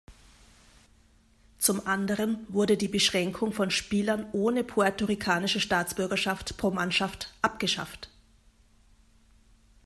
Zum anderen wurden die Beschränkung von Spielern ohne puerto-ricanische Staatsbürgerschaft pro Mannschaft abgeschafft.